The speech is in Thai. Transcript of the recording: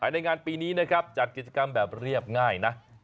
ในงานปีนี้นะครับจัดกิจกรรมแบบเรียบง่ายนะ